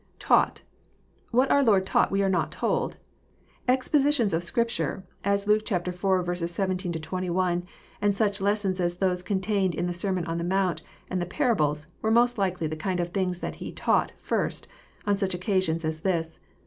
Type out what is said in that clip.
[Taught.'] What our Lord taught we are not told. Exposi tions of Scripture, as Luke iv. 17 — 21, and such lessons as those contained in the Sermon on the Mount, and the parables, were most likely the kind of things that He *< taught" first, on such occasions as this.